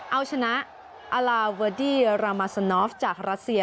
เอาชนะอาลาเวอดี้รามาสนอฟจากรัสเซีย